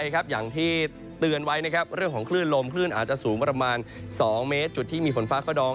คลื่นสูงประมาณ๑๒เมตร